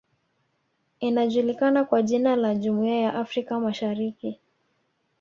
Inajulikana kwa jina la Jumuiya ya Afrika masahariki